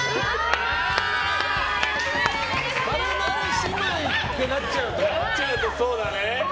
○○姉妹ってなっちゃうとそうだね。